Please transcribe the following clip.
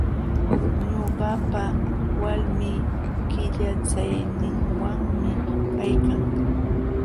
Ñuqapa walmi killachayninwanmi kaykan.